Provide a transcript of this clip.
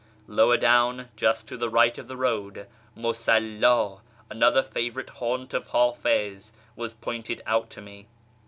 Lower down, just to the right of the road, Musalla, another favourite haunt of Hafiz, was pointed out to me.